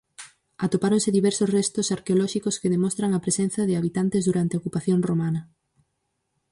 Atopáronse diversos restos arqueolóxicos que demostran a presenza de habitantes durante a ocupación romana.